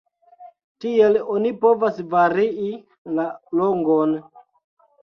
Tiel oni povas varii la longon.